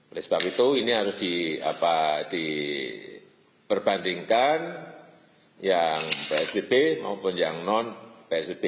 oleh sebab itu ini harus diperbandingkan yang psbb maupun yang non psbb